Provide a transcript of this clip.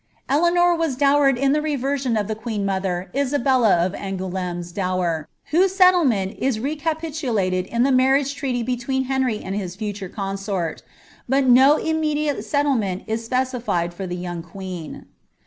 * Elaanor was dowered in the reversion of the queennmother, Isabella «f Angoul^me's dower, whose settlement is recapitulated in the marriage tnsaty between Henry and his future consort ; but no immediate settle ■eol is specified for the young queen.